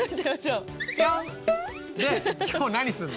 で今日何すんの？